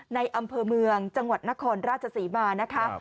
อำเภอเมืองจังหวัดนครราชศรีมานะคะ